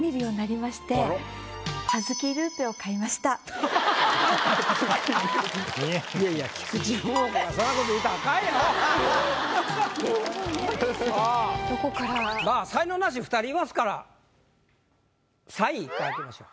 まあ才能ナシ２人いますから３位１回開けましょう。